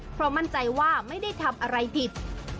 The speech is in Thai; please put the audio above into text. เพราะมั่นใจว่าไม่ได้ทำอะไรผิด